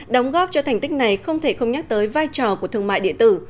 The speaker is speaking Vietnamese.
đóng góp cho thành tích này không thể không nhắc tới vai trò của thương mại điện tử